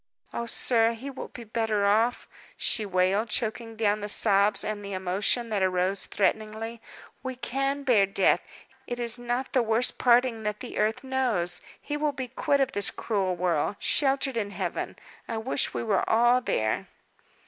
"Oh, sir, he will be better off!" she wailed, choking down the sobs and the emotion that arose threateningly. "We can bear death; it is not the worst parting that the earth knows. He will be quit of this cruel world, sheltered in Heaven. I wish we were all there!"